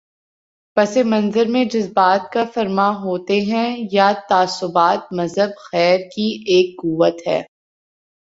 پس منظر میں جذبات کارفرما ہوتے ہیں یا تعصبات مذہب خیر کی ایک قوت ہے۔